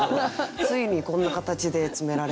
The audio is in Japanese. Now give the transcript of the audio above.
ついにこんな形で詰められましてね。